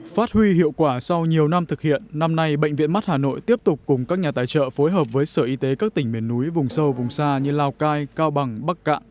phát huy hiệu quả sau nhiều năm thực hiện năm nay bệnh viện mắt hà nội tiếp tục cùng các nhà tài trợ phối hợp với sở y tế các tỉnh miền núi vùng sâu vùng xa như lào cai cao bằng bắc cạn